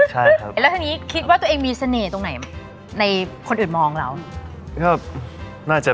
ใช่เดี๋ยวนี้พูดน้อยลงเยอะเลยห้ะ